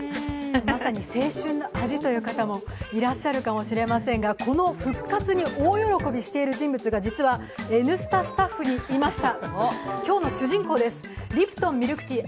まさに青春の味という方もいらっしゃるかもしれませんが、この復活に大喜びしている方が「Ｎスタ」スタッフにいました。